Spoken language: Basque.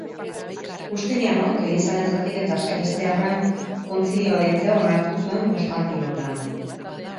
Justinianok, Elizaren zatiketa saihestearren, kontzilioa deitzea onartu zuen Konstantinoplan.